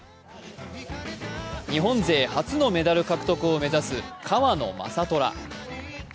日本勢初のメダル獲得を目指す川野将虎。